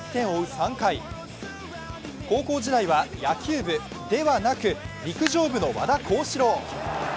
３回、高校時代は野球部ではなく陸上部の和田康士朗。